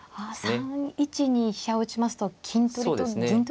３一に飛車を打ちますと金取りと銀取りにもなるんですか。